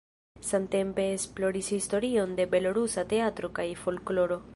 Samtempe esploris historion de belorusa teatro kaj folkloro.